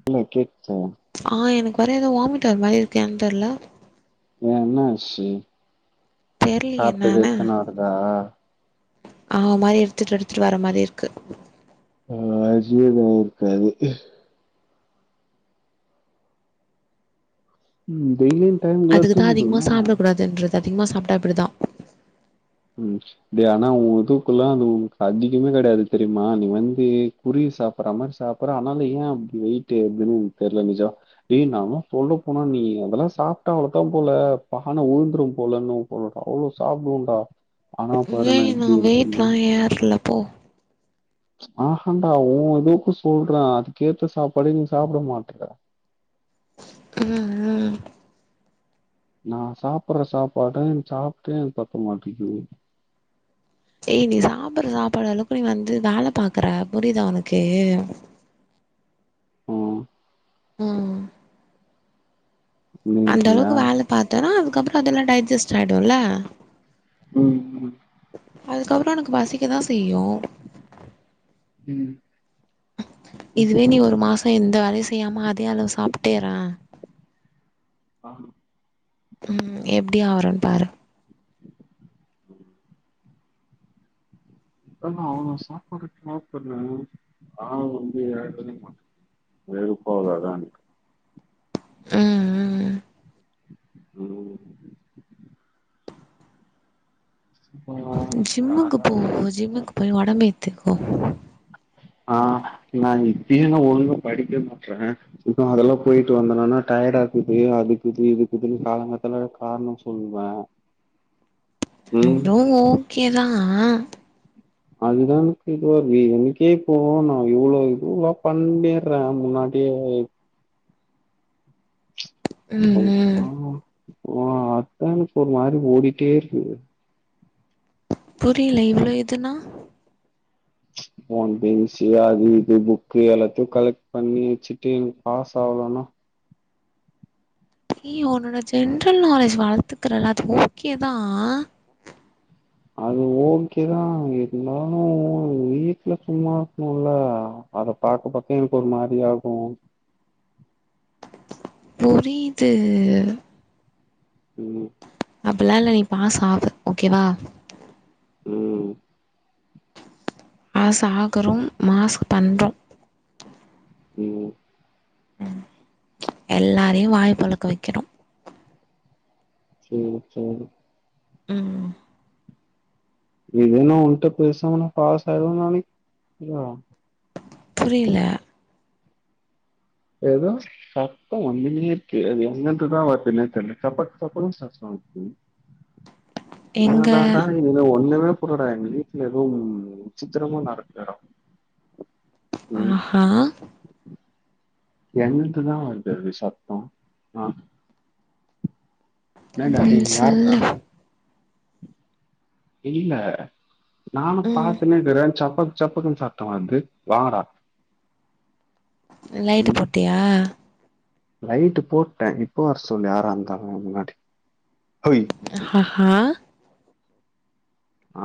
[unintelligible] கேக்துங்க. ஆ எனக்கு வேற எதோ வாமிட் வர மாரிருக்கு ஏன் தெர்ல. ஏ என்னாச்சி தெர்லயே சாப்ட்டது என்னானு எத்துனு வருதா? ஆ ஒமாரி எடுத்துட்டு எடுத்துட்டு வர மாரி இருக்கு. அ ஜீர்ணோ ஆயிருக்காது. ம் வெயில் அதுக்கு தா அதிகமா சாப்ட கூடாதுன்றது அதிகமா சாப்டா அப்டிதா. ம். டே ஆனா உ இதுக்குல்லா அது உன்கு அதிகமே கெடையாது தெரியுமா நீ வந்து குருவி சாப் பறமாரி சாப்ற ஆனாலு ஏ அப்டி வெயிட்டு ஏறுதுன் தெர்ல பூஜா. ஏ நானு சொல்ல போனா நீயி அதல்லா சாப்ட்டா அவ்ளத்தாம் போல பான உழுந்துரும் போலன்னு போலருக்கு அவ்ளோ சாப்டுவன்டா. ஆனா பாரு ஏய் நா எப்டி வெயிட்லா இருக்கேன்னு ஏற்ல போ. ஆஹண்டா உ இதுக்கு சொல்றே அதுக்கேத்த சாப்பாடே நீ சாப்ட மாட்ற. அ அ. நா சாப்பற சாப்பாட்ட நீ சாப்டினா எனக் பத்த மாட்டிகிது. ஏய் நீ சாப்பற சாப்பாடு அளவுக்கு நீ வந்து வேல பாக்குற புரிதா உனக்கு? ம் ம் ம். அந்த நீங்கியா அளவுக்கு வேல பாத்தேனா அதுக்கப்பறோ அதெல்லா டைஜெஸ்ட்டு ஆயிடுல்ல. ம் ம் அதுக்கப்பறோ எனக்கு பசிக்க தா செய்யு ம் இதுவே நீ ஒரு சொல்றேன்ல மாசோ எந்த வேலயு செய்யாம அதே அளவு சாப்ட்டே இறே ஆ ம் எப்டி ஆவுறேனு பாரு அதான அவளோ சாப்பாடு சாப்படறே நா வந்து ஏறவே மாட்டே வெறுப்பாவாதா என்க்கு ம் ம் ம் அப்பா, ஜிம்முக்கு தாத்தா. போ ஜிம்முக்கு போய் ஒடம்பேத்துகோ ஆ நா இப்பேயே நா ஒழுங்கா படிக்க மாட்றே இப்ப நா அதெல்லா போயிட்டு வந்தனனா டயர்டா இருக்குது அதுக்கு இது இதுக்கு இதுனு காலங்காத்தல காரணோ சொ ல்வே இதுவு ஓகேதா அதுதா எனக்கு இதுவாவே எனக்கே இப்போ நா இவ்ளோ இதுவா பண்ணிறே முன்னா டியே ம் ம் அ இப்போ அதா எனக்கு ஒரு மாரி ஓடிட்டே இருக்கு புரியல இவ்ளோ இதுனா நா வந்து எம் சி ஏ அது இது புக்கு எல்லாத்தையு கலெக்ட் பண்ணி வெச்சுட்டு பாஸ் ஆவுலனா ஏ ஒன்னோட ஜென்ரல் நாலேஜ் வளத்துக்கிறேல அது ஓகே தா அது ஓகே தா இருந்தாலு வீட்ல சும்மா இருக்கணுல அத பாக்க பாக்க எனக்கு ஒரு மாரி இதாகு புரியுது ம் அப்பில்லா இல்ல நீ பாஸ் ஆவ ஓகேவா ம் பாஸ் ஆகுறோம் மாஸ்க் பண்றோ ம் ம் எல்லாரையு வாய பொலக்க வெக்குறோ செரி செரி ம் இதே நா உண்ட்ட பேசாமா நா பாஸ் ஆய்டு நானே இல்லயா புரியல எத சத்தோ வந்துனே இருக்கே அது எங்கருந்தா வருதுனே தெர்ல சப்பத்து சப்பளு சத்தோ இருக்கு எங்க என்னதாடா இது என்ன ஒண்ணுமே புர்லடா எனக் எங்க வீட்ல எதுவு விசித்திரமா நடக்குதுடா ம் ஆஹா எங்குட்டுதா வருது அது சத்தோ ஆ என்னடா ம் டேய் யார்ரா சொல்லு இல்ல நானு ம் பா்த்தன்னே இருக்கிற சப்பக்கு சப்பக்குனு சத்தோ வருது வாங்கடா லைட்டு ம் போட்டியா லைட்டு போட்டே இப்போ வரச் சொல்லு யாரா இருந்தாலு முன்னாடி ஹோய் ஆஹஹா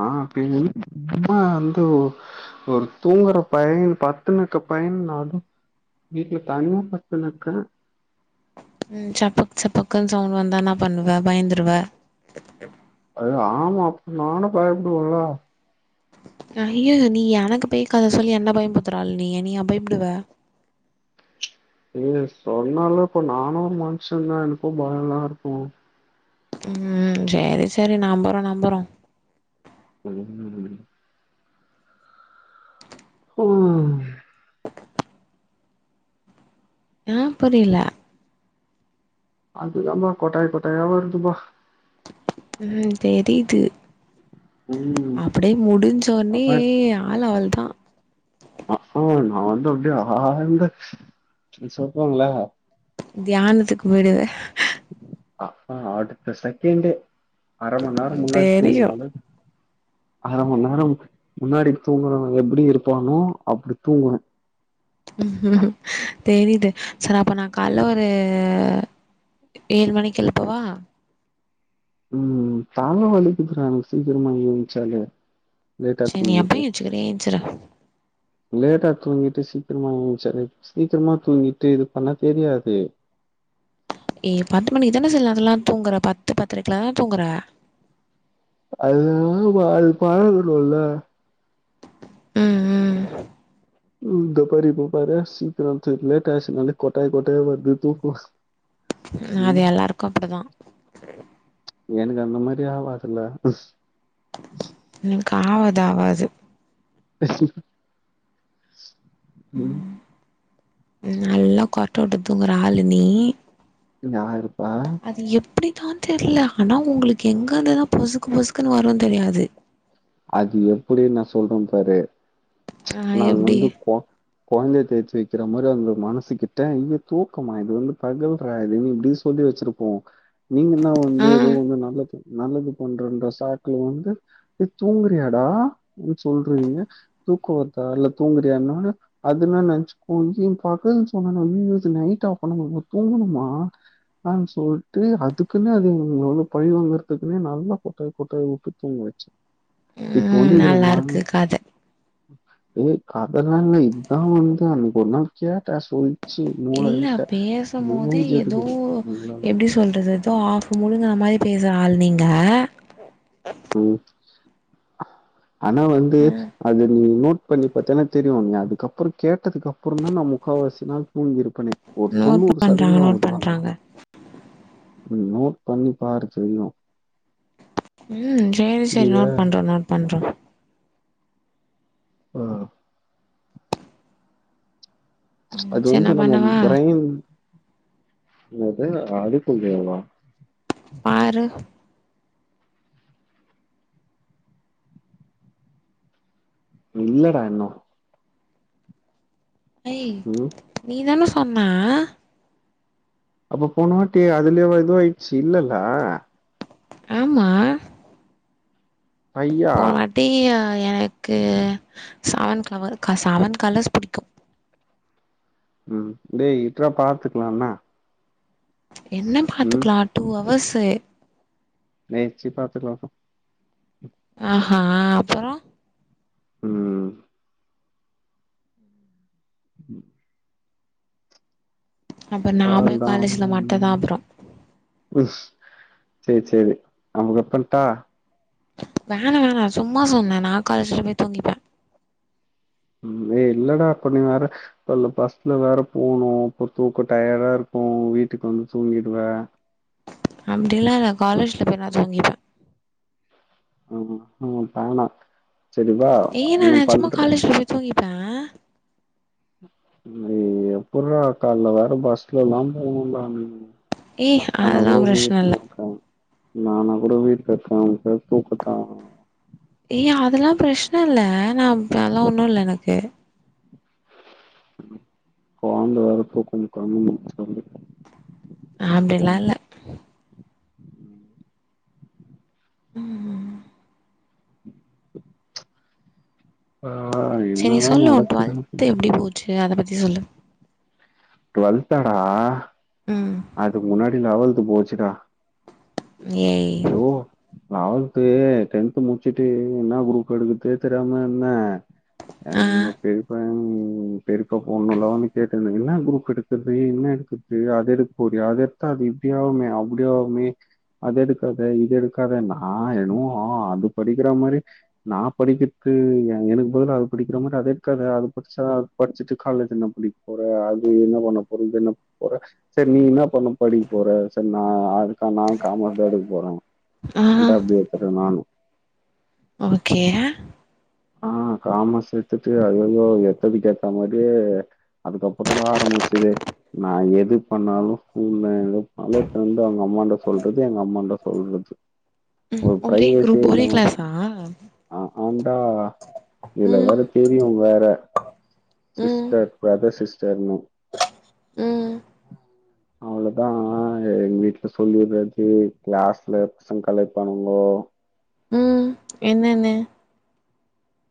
ஆ பின்ன என்ன சும்மா வந்து ஒரு தூங்குற பைய பத்துணுக்க பைய அது வீட்டுல தனியா பத்துனுக்குற ம் சப்பக்கு சப்பக்குன்னு சவுண்ட் வந்தா என்னாப் பண்ணுவ பயந்துருவ அது ஆமா அப்ப நானு பயப்படுவன்ல ஐயகோ நீ எனக்கு பேய் கத சொல்லி என்ன பயம்புத்துற ஆள் நீ நீயா பயப்டுவ ஏ சொன்னல இப்போ நானும் மனுசன் தா எனக்கும் பயன்லா இருக்குன் ம் சேரி சேரி நம்புறோ நம்புறோ ம் ஹான் ஆன் புரிலெ அது தாமா கொட்டாய் கொட்டாயா வருதுமா ம் தெரிது ம் அப்டே முடிஞ்சோன்னே அப்பா ஆள் அவள்தா ஆ ஆ நா வந்து அப்டே ஆழ்ந்த சொல்வாங்ள தியானத்துக்கு போய்டுவ அ பா அடுத்த செக்கெண்டே அர மண் நேரோ முன்னாடி தெரியு தூங்கனாலே அரை மண் நேரம் முன்னாடி தூங்குரவன் எப்டி இருப்பானோ அப்டி தூங்குவே தெரியுது சர் அப்ப நா கால்ல ஒரு ஏழு மணிக்கு எழுப்பவா ம் ம் தல வலிக்குதுறா எனக் சீக்ரமா யேன்ச்சாலே லேட்டா சரி நீ எப்ப தூங்கிட்டு எஞ்சுக்கிறியோ எஞ்சிரு லேட்டா தூங்கிட்டு சீக்கிரமா யேன்ச்சாலே சீக்ரமா தூங்கிட்டு இது பண்ணா தெரியாது ஏ பத்து மணிக்கு தான சில நேரத்லலா தூங்கற பத்து பத்தரைக்கில தா தூங்கற அது [unintelligible] அது பழகனுல ம் ம் ம் தோ பாரு இப்ப பாரு சீக்ரம் எஞ்சேன் லேட்டாச்சினாலே கொட்டாய் கொட்டாயா வருது தூக்கோ அது எல்லாருக்கு அப்புடிதா எனக்கு அந்த மாரி ஆவாதுல உன்க்கு ஆவாது ஆவாது ம் நல்லா கொரட்ட உட்டு தூங்குற ஆளு நீ யாருப்பா அது எப்பிடித்தான் தெர்ல ஆனா உங்களுக்கு எங்க இருந்துதா பொசுக்கு பொசுக்குன்னு வருன்னு தெரியாது அது எப்பிடி நான் சொல்றன் பாரு ஆ நாங்க எப்டி வந்து க்கோ கொழந்தய தேய்ச்சு வைக்கிற மாதிரி அந்த மனசு கிட்ட இது தூக்கமா இது வந்து பகல்ற இது இப்பிடி சொல்லி வச்சிரு நீங்க நா வந்து ஆ ஏதோ வந்து நல்லது நல்லது பண்றன்ற சாக்குல வந்து தூங்குறியாடா‌ னு சொல்றனினு தூக்கோவத்தா இல்ல தூங்குரியானா அதுனா நெனைச்சுக்கோ ஏ பகல்னு சொன்னனா இது நைடாப்ப நம்ம தூங்ணுமா நானு சொல்ட்டு அதுக்குன அது உங்கள பழி வாங்கறதுக்குன்னே நல்லா கொட்டாய் கொட்டாய் விட்டு தூங்க வச்ச இப்ப ம் வந்து இதுல நானு நல்லாருக்கு கத ஏ கதலா இல்ல இதுதா வந் அன்னைக் ஒரு நாள் கேட்ட சொல் இல்ல பேசும் போதே ஏதோ இருக்குது உங்களால. எப்டி சொல் ல்றது எதோ ஆஃப் முழுங்குன மாரி பேசுற ஆள் நீங்க ம் ஆனா வந்து அத நீ நோட் பண்ணி பாத்தனா தெரியும் நீ அதுக்கப்றம் கேட்டதுக்கு அப்புறம் தா நா முக்காவாசி நாள் தூங்கிருப்பனே ஒரு நோட் தொண்ணூறு பண்றாங்க சதவீதோ நோட் பண்றாங்க [unintelligible] நோட் பண்ணி பாரு தெரியு ம் சேரி சேரி புரியுதா நோட் பண்றோ நோட் பண்றோ ஆ அது சரி வந்து நா நம்ம பண்ணவா பிரெயின் என்னது அடுக்கும் [unintelligible] பாரு இல்லடா இன்னு ஏய் ம். நீதான சொன்ன அப்ப போன வாட்டி அதுலேயேவா இது ஆயிடுச்சு இல்லல்ல ஆமா ஐயா போன வாட்டி எனக்கு செவன் க்லவர் செவன் கலர்ஸ் புடிக்கும் ம் டேய் இற்ரா பாத்துக்லா என்னா என்ன பாத்துக்லா டூ அவர்ஸு நேச்சி பாத்துக்கலாம்பா ஆஹ் ஹ அப்பறோ உம் உம் அப்ப நா போய் அவள்தா காலேஜ்ல மாட்டதா [unintelligible] அப்பறோ ம் சேர் சேரி அப்ப கட் பண்டா வேணா வேணா சும்மா சொன்னே நா காலேஜ்ல போய் தூங்கிப்பே ம் ஏய் இல்லடா அப்ப நீ வேற இல்ல பஸ்ல வேற போனு அப்றோ தூக்கோ டயர்டா இருக்கு வீட்டுக்கு வந்து தூங்கிடுவ அப்டில்லா இல்ல காலேஜ்ல போயி நா தூங்கிப்ப ம்ம் பயமா சரிவா நா பண்றே தூங்கிப்ப ஏய் எப்புற்றா கால்ல வேற பஸ்லல்லா போணுன்டா நீயி ஏய் ஆனா அதெல்லா கூட பிரச்சன வீட்டுல இல்ல இருக்க நானு கூட வீட்ல இருக்க [unintelligible] ஏய் அதல்லா பிரஸ்ன இல்ல நா அதல்லா ஒன்னு இல்ல எனக்கு கோந்த வேற தூக்கம் [unintelligible] அப்டில்லா ம் இல்ல உம் உம் [unintelligible] செரி சொல்லு உன் நடக்குதுன்னு டுவெல்த்து தெரியல எப்டி போச்சு அதப் பத்தி சொல்லு டு்வெல்த்தாடா ம் அதுக் முன்னாடி லவல்த்து போச்சுடா ஏய் யோ லெவல்த்து டென்து முடிச்சுட்டு ன்னா குரூப் எடுக்குர்துனே தெரியாம இருந்த ஆ எங்க பெரிப்பா எங் பெரிப்பா பொண்ணுல வந்து கேட்டுருந்த ன்னா குரூப் எடு கற்து ன்னா எடுக்கற்து அது எடுக் போறியா அது எடுத்தா இப்டியாவுமே அப்டியாவுமே அத எடுக் காத் இத எடுக்காத நா என்னவோ ஆ அது படிக்கிற மாரியே நா படிக்கிற்து எனக்கு பதிலா அது படிக்கிற மாதிரி அத எடுக்காத அது படிச்சா படிச்சுட்டு காலேஜ் என்ன படி போற அது என்ன பண்ண போற இது என்ன பண்ணப் போற சரி நீ என்ன பண்ண படிக்கப் போற சரி நா அதுக்கா நா காமர்ஸ் தா எடுக் போறே ஆ என்ட்டு அப்பிடி எடுத்துட்ட நானு ஓகே ஆ காமர்ஸ் எடுத்துட்டு அய்யய்யோ எட்த்ததுக்கு ஏத்த மாரியே அதுக்கப்புறோ தா ஆரம்புச்சதே நா எது பண்ணாலு ஸ்கூல்ல பாலோப் பண்ணி வந்து அவங்க அம்மாண்ட சொல்றது எங்க அம்மாண்ட சொல்றது ம் ஒரு ஒரே குரூப் ஒரே கிளாஸா அக்காண்டா இதுல வேற ம் சீனியர் வேற ம் சிஸ்டர் பிரதர் சிஸ்டர்னு ம் அவ்ளோதா எங்க வீட்ல சொல்லிறது கிளாஸ்ல பசங் காலாய்ப்பானுங்கோ ம் என்னன்னு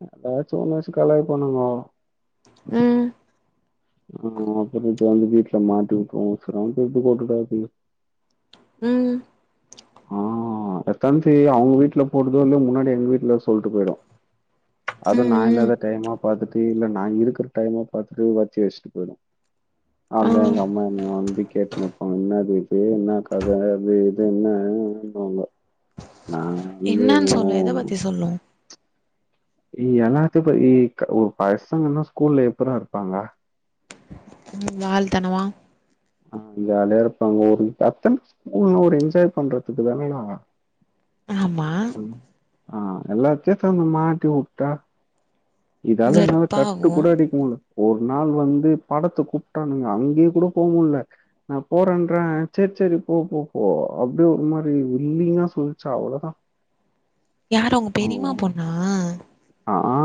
ஏதாவாச்சும் ஒன்ன வச்சு கலாய்ப்பாணுங்கோ அவ்ளதா ம் ஆ அப்றோ ஜானு வீட்ல மாட்டி விட்ருவோ சொன்னோ தூக்கி போட்டுட்டு அபி ம் ஆ அதான்சி அவுங்க வீட்ல போடுதோ இல்லையோ முன்னாடி எங்க வீட்ல சொல்ட்டு போயிடு அதும் ம் நா ம் இல்லாத டைமா பாத்துட்டு இல்ல நா இருக்குற டைமா பாத்துட்டு வத்தி வச் ஆ அதா எங்க அம்மா என்ன நம்பி கேட்னுருப்பாங்க என்னது இது என்ன கத அது இது என்ன அ அம்பாங்க நா வீட்ல என்னன்னு நோ சொல்லு ஒ எத ஒ பத்தி சொல்லு இ எல்லாத்துக்கு இ ஒ பசங்கன்னா ஸ்கூல்ல எப்பரா இருப்பாங்க ம் வால்தனமா ஆ ஜாலியா இருப்பாங்க ஒரு பத்து நிம்சம் ஸ்கூல்னா ஒரு எஞ்ஜாய் பண்றதுக்கு தானேடா ஆமா ஆ எல்லார் கேக்காம மாட்டி உட்டா இதால என்னால கட்டு வெறுப்பாகு கூட அடிக்க முல்ல ஒரு நாள் வந்து படத்துக் கூப்பிட்டானுங்க அங்கேயே கூடோ போ முல்ல நா போறேன்ற செரி செரி போ போ போ அப்டியே ஒரு மாரி வில்லிங்கா சொல்லுச்சு அவ்ளோதா யாரு உங்க பெரியமா பொண்ணா அ ஆ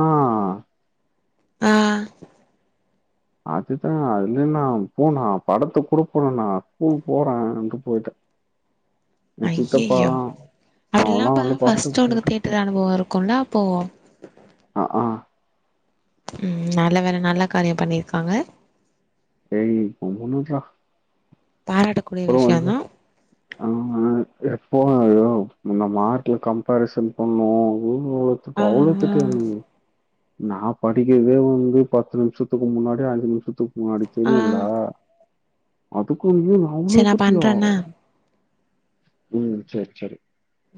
ஆ அதுதா அதுல நா போனா படத்துக்கூட போல நா ஸ்கூலுக் போறேன்ட்டு போய்டே ஏ சித்தப்பா அவன்லாம் அப்டிலாம்பா வந்து படத்துக்கு ஃபர்ஸ்ட்டு உனக்கு போயிட்டான். தேட்டர் அனுபவோ இருக்குல்ல அப்போ அ ஆ ம் நல்ல வேல நல்ல காரியம் பண்ணிருக்காங்க ஏய் கம்முனுருறா பாராட்டக்கூடிய அப்பறோ வந்து விஷயந்தா ஆமா எப்போவு அதேதா முன்ன மார்க்ல கம்பரிசன் பண்ணுவோ ஊர் உலகத்துக்கு ஆ அவ்ளோ ஆ திட்டு எங்ளுக்கு நா படிக்கிறதே வந்து பத்து நிமிஷத்துக்கு முன்னாடி அஞ்சு நிமிஷத்துக்கு முன்னா தெரியுல்ல ஆ அதுக்குல்லுயு அவ்ளோ சரி நா திட்றிய பண்றே என்ன ம் சேர் சேரி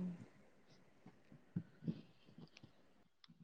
ம்